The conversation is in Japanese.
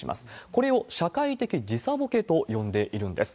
これを社会的時差ぼけと呼んでいるんです。